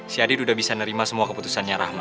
si adit sudah bisa nerima semua keputusannya rahma